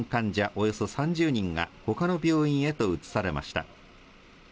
およそ３０人がほかの病院へと移されました。